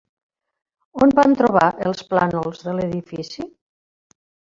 On van trobar els plànols de l'edifici?